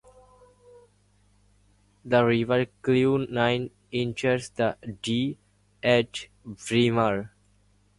The River Clunie enters the Dee at Braemar.